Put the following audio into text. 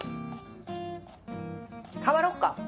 代わろっか？